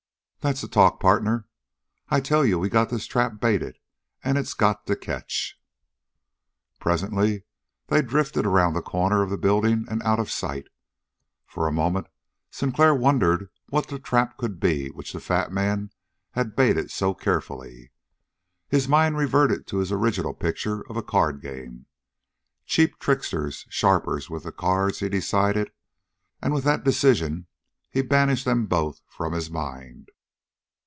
"That's the talk, partner. I tell you we got this trap baited, and it's got to catch!" Presently they drifted around the corner of the building and out of sight. For a moment Sinclair wondered what that trap could be which the fat man had baited so carefully. His mind reverted to his original picture of a card game. Cheap tricksters, sharpers with the cards, he decided, and with that decision he banished them both from his mind.